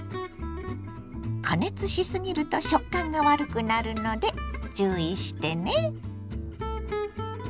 加熱しすぎると食感が悪くなるので注意してね。